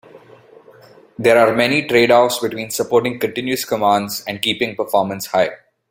There are many trade-offs between supporting continuous commands and keeping performance high.